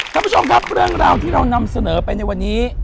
ท่านผู้ชมครับเรื่องราวที่เรานำเสนอไปในวันนี้